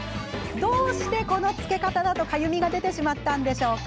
どうして、このつけ方だとかゆみが出てしまったんでしょうか？